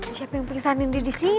siapa yang pingsanin dia di sini